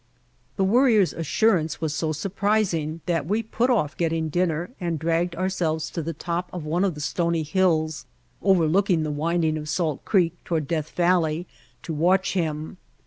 The Worrier's assurance was so surprising that we put off getting dinner and dragged our selves to the top of one of the stony hills over looking the winding of Salt Creek toward Death Valley to watch him.